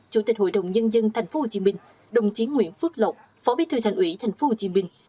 chủ tịch hội đồng nhân dân tp hcm đồng chí nguyễn phước lộc phó bí thư thành ủy tp hcm